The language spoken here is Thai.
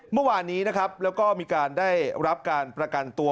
เมื่อวานนี้นะครับแล้วก็มีการได้รับการประกันตัว